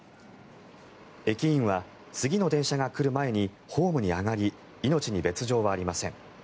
駅員は次の電車が来る前にホームに上がり命に別条はありません。